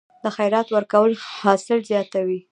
د خیرات ورکول حاصل زیاتوي؟